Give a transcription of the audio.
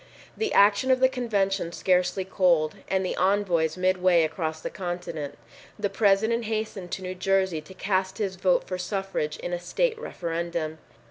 The action of the convention scarcely cold, and the envoys mid way across the continent, the President hastened to New Jersey to cast his vote for suffrage in a state referendum.